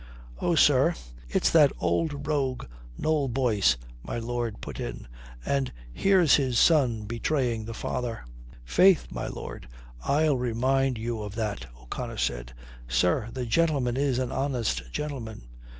"Oh, sir, it's that old rogue Noll Boyce," my lord put in. "And here's his son betraying the father." "Faith, my lord, I'll remind you of that," O'Connor said. "Sir, the gentleman is an honest gentleman."